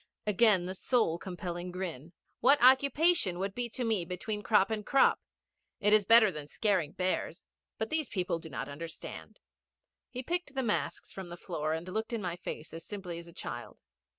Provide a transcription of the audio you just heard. Again that soul compelling grin. 'What occupation would be to me between crop and crop? It is better than scaring bears. But these people do not understand.' He picked the masks from the floor, and looked in my face as simply as a child.